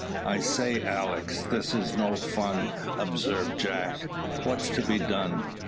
"I say, Alick, this is no fun," observed Jack. "What's to be done?"